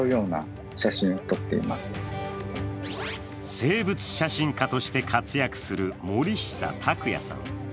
生物写真家として活躍する森久拓也さん。